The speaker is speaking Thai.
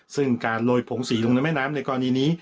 ซึ่งการโรยผงสีลงในแม่น้ำในกรณีนี้